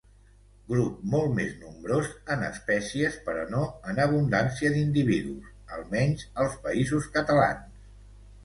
Grup molt més nombrós en espècies, però no en abundància d'individus, almenys als Països Catalans.